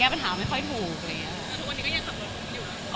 ทำงานอีกก็ยังขับรถตรงนี้แห๊บ